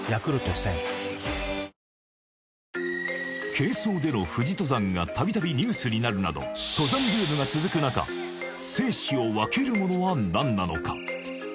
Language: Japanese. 軽装での富士登山が度々ニュースになるなど登山ブームが続く中生死を分けるものは何なのか？